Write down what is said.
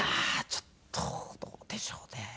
ちょっとどうでしょうね。